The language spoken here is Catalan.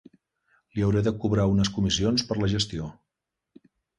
Li hauré de cobrar unes comissions per la gestió.